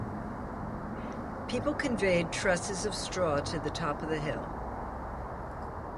People conveyed trusses of straw to the top of the hill.